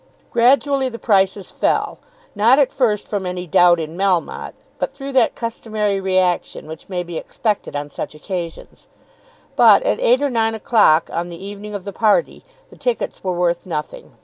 Gradually the prices fell; not at first from any doubt in Melmotte, but through that customary reaction which may be expected on such occasions. But at eight or nine o'clock on the evening of the party the tickets were worth nothing.